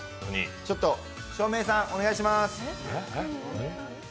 ちょっと照明さんお願いします。